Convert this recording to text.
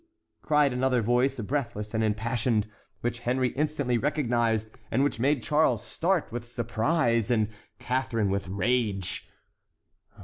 cried another voice, breathless and impassioned, which Henry instantly recognized and which made Charles start with surprise and Catharine with rage.